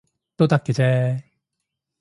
都得嘅啫